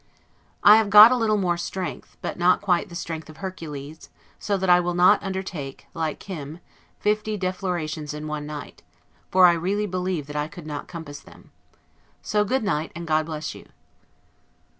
I have got a little more strength, but not quite the strength of Hercules; so that I will not undertake, like him, fifty deflorations in one night; for I really believe that I could not compass them. So good night, and God bless you!